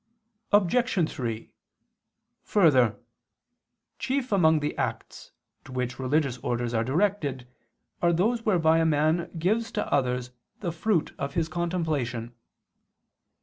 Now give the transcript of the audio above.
Obj. 3: Further, chief among the acts to which religious orders are directed are those whereby a man gives to others the fruit of his contemplation.